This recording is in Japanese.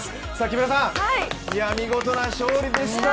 木村さん、見事な勝利でした。